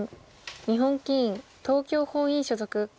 日本棋院東京本院所属。